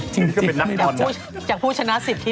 จริงอยากพูดชนะสิทธิ์